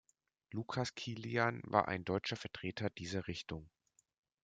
Lucas Kilian war ein deutscher Vertreter dieser Richtung.